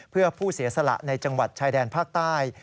เพื่อผู้เสียสละในจังหวัดชายแดนภาคใต้